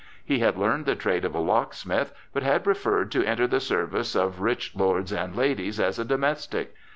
He had learned the trade of a locksmith, but had preferred to enter the service of rich lords and ladies as a domestic.